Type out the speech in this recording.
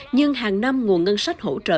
nhưng hàng năm nguồn ngân sách hỗ trợ